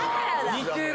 似てる！